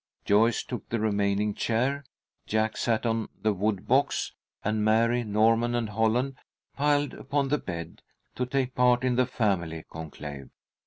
Joyce took the remaining chair, Jack sat on the wood box, and Mary, Norman and Holland piled upon the bed, to take part in the family conclave.